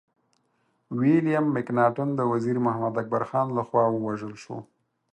ويليم مکناټن د وزير محمد اکبر خان لخوا ووژل شو.